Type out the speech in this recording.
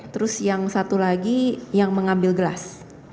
terus yang satu lagi yang mengambil gelas